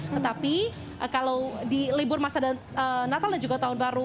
tetapi kalau di libur masa natal dan juga tahun baru